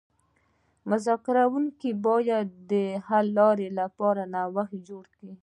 مذاکره کوونکي باید د حل لارې لپاره نوښت وکړي